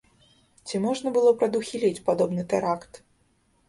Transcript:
Ці можна было прадухіліць падобны тэракт?